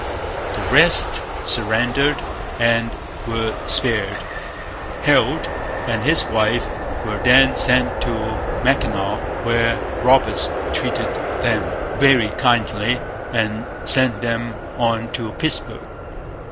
The rest surrendered and were spared. Heald and his wife were then sent to Mackinaw, where Roberts treated them very kindly and sent them on to Pittsburg.